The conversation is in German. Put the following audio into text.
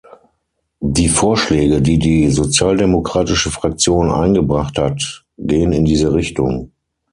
Die Vorschläge, die die Sozialdemokratische Fraktion eingebracht hat, gehen in diese Richtung.